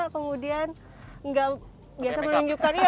kemudian gak biasa menunjukkan